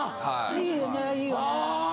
いいよねいいよね。